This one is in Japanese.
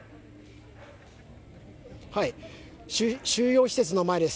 収容施設の前です。